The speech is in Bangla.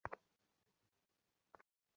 এখানে কেন থাকবে, ওগুলো রেকর্ড রুমে।